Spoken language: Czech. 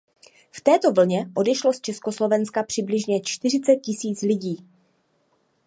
V této vlně odešlo z Československa přibližně čtyřicet tisíc lidí.